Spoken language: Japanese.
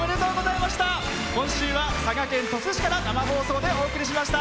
今週は佐賀県鳥栖市から生放送でお送りしました。